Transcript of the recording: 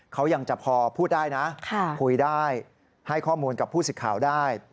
เขายังจะพอพูดได้นะคุยได้ให้ข้อมูลกับผู้สิทธิ์ข่าวได้